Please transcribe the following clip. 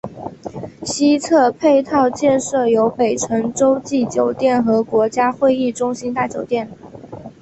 西侧配套建设有北辰洲际酒店和国家会议中心大酒店。